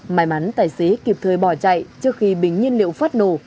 may mắn tài xế kịp thời bỏ chạy trước khi bình nhiên liệu phát nổ